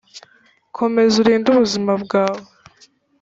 komeza urinde ubuzima bwawe